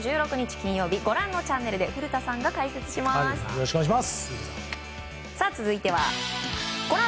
金曜日ご覧のチャンネルで古田さんが解説します。